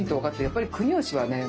やっぱり国芳はね